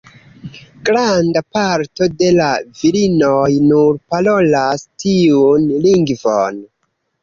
Granda parto de la virinoj nur parolas tiun lingvon.